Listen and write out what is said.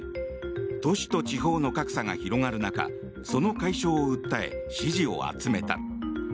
都市と地方の格差が広がる中その解消を訴え支持を集めた。